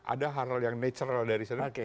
ada hal hal yang natural dari saya